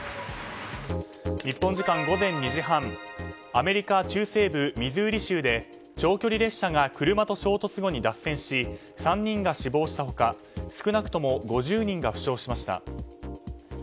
日本時間午前２時半アメリカ中西部ミズーリ州で長距離列車が車と衝突後に脱線し３人が死亡した他少なくとも５０人が負傷しました。